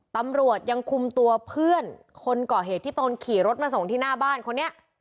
ตำรวจยังคุมตัวเพื่อนคนก่อเหตุที่เป็นคนขี่รถมาส่งที่หน้าบ้านคนนี้